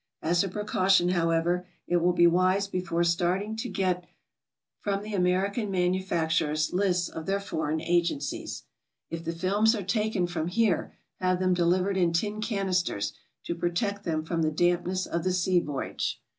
As a precaution, however, it will be wise before starting to get from the American manufacturers lists of their foreign agencies. If the films are taken from here, have them deliv SOMEWHAT FINANCIAL. 207 ered in tin canisters, to protect them from the dampness of the sea voyage.